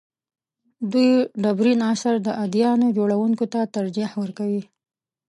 دوی ډبرین عصر د اديانو جوړونکو ته ترجیح ورکوي.